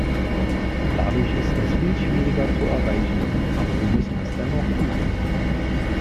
Dadurch ist es viel schwieriger zu erreichen, aber wir müssen es dennoch tun.